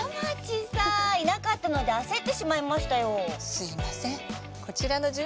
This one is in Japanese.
すいません。